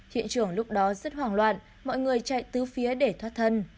hiện trường lúc đó rất hoảng loạn mọi người chạy từ phía để thoát thân